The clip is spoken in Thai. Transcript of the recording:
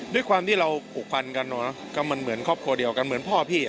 ด้วยความที่เราปลูกคุ้นภัณฑ์กันแล้วเหมือนครอบครัวเดียวกันเหมือนพ่อพี่